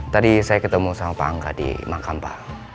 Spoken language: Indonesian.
tadi saya ketemu sama pak angka di makam pak